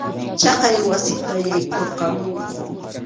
Chayqa wasita yaykurqamunku.